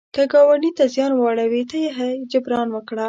که ګاونډي ته زیان واړوي، ته یې جبران وکړه